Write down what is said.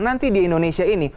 nanti di indonesia ini